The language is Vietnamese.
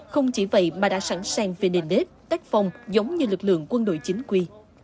không chỉ vậy mà đã sẵn sàng về nền đếp tách phòng giống như lực lượng quân đội chính quy